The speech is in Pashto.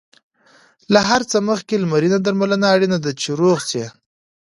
له هر څه مخکې لمرینه درملنه اړینه ده، چې روغ شې.